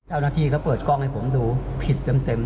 เจ้าหน้าที่เขาเปิดกล้องให้ผมดูผิดเต็ม